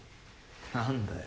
何だよ。